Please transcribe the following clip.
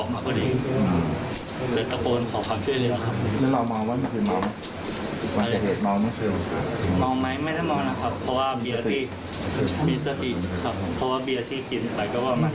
ไม่เคยเสพเมาแล้วเสพยามั้ยหรือเสพมั้ย